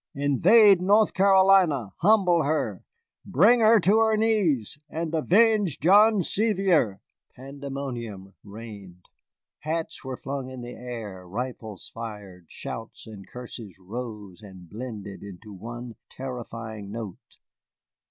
Invade North Carolina, humble her, bring her to her knees, and avenge John Sevier!" Pandemonium reigned. Hats were flung in the air, rifles fired, shouts and curses rose and blended into one terrifying note.